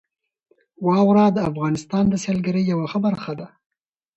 واوره د افغانستان د سیلګرۍ یوه ښه برخه ده.